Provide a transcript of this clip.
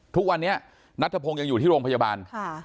ทุกวันนี้นัทธพงศ์ยังอยู่ที่โรงพยาบาล